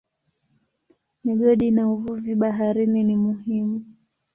Migodi na uvuvi baharini ni muhimu.